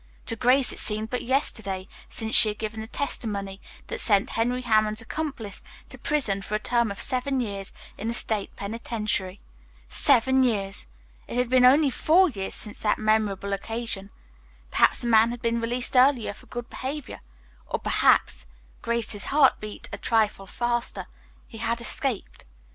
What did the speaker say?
To Grace it seemed but yesterday since she had given the testimony that sent Henry Hammond's accomplice to prison for a term of seven years in the state penitentiary. Seven years! It had been only four years since that memorable occasion. Perhaps the man had been released earlier for good behavior, or perhaps Grace's heart beat a trifle faster he had escaped.